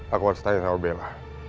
aku harus tanya sama bella